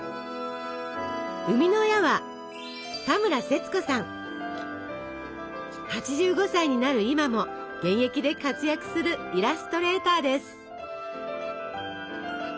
生みの親は８５歳になる今も現役で活躍するイラストレーターです。